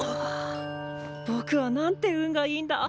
ぼくはなんて運がいいんだ！